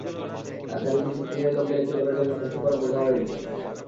তার চাবিগুলো শক্তিশালী লোকদের একটি দলের জন্যে কষ্টকর বোঝা হয়ে যেতো।